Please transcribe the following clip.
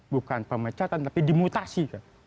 bukan pemecatan tapi dimutasi